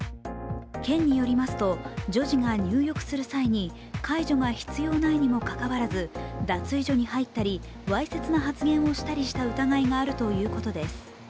県によりますと女児が入浴する際に介助が必要ないにもかかわらず脱衣所に入ったり、わいせつな発言をしたりした疑いがあるということです。